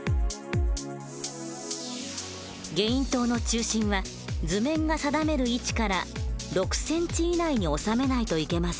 ゲイン塔の中心は図面が定める位置から６ｃｍ以内に収めないといけません。